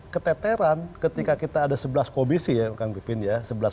keteteran ketika kita ada sebelas komisi ya